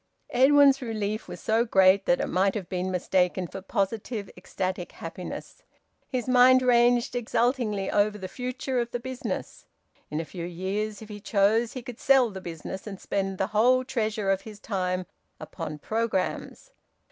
Edwin's relief was so great that it might have been mistaken for positive ecstatic happiness. His mind ranged exultingly over the future of the business. In a few years, if he chose, he could sell the business and spend the whole treasure of his time upon programmes.